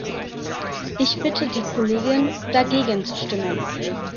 Ich bitte die Kollegen, dagegen zu stimmen.